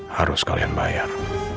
harus kalian bayar